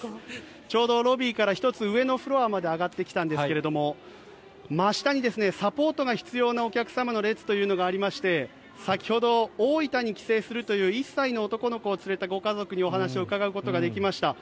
ちょうどロビーから１つ上のフロアまで上がってきたんですが真下にサポートが必要なお客様の列というのがありまして先ほど、大分に帰省するという１歳の子どもを連れたご家族にお話を伺うことができました。